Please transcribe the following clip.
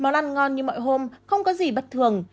món ăn ngon như mọi hôm không có gì bất thường